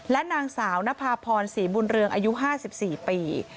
และนางสาวนภาพรศรีบุญเรืองอายุ๕๔ปี